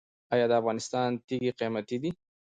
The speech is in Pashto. آیا د افغانستان تیږې قیمتي دي؟